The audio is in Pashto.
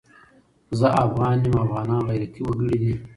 زه افغان یم او افغانان غيرتي وګړي دي